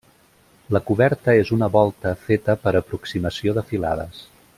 La coberta és una volta feta per aproximació de filades.